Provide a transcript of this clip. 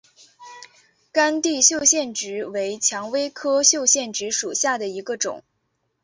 干地绣线菊为蔷薇科绣线菊属下的一个种。